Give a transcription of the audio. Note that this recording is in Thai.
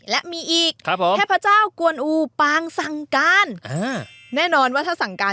และมีอีกเทพเจ้ากวนอูปางสั่งการแน่นอนว่าถ้าสั่งการ